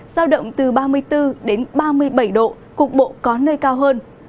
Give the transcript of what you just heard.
giao động từ ba mươi bốn đến ba mươi bảy độ cục bộ có nơi cao hơn